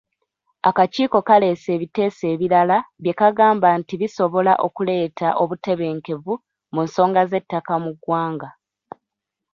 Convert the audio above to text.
Akakiiko kaaleese ebiteeso ebirala bye kagamba nti bisobola okuleeta obutebenkevu mu nsonga z’ettaka mu ggwanga.